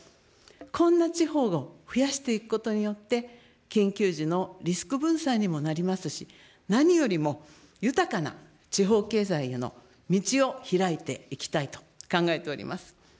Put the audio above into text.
こんな地方を増やしていくことによって、緊急時のリスク分散にもなりますし、何よりも豊かな地方経済への道を開いていきたいと考えております。